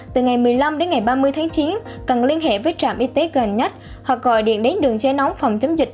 từ ngày một mươi năm đến ngày ba mươi tháng chín cần liên hệ với trạm y tế gần nhất hoặc gọi điện đến đường dây nóng phòng chống dịch